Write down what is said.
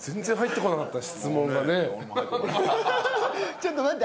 ちょっと待って。